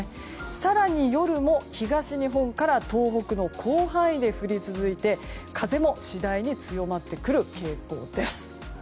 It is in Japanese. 更に夜も東日本から東北の広範囲で降り続いて、風も次第に強まってくる傾向です。